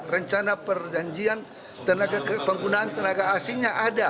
rencana perjanjian penggunaan tenaga asingnya ada